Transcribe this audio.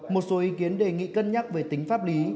một số ý kiến đề nghị cân nhắc về tính pháp lý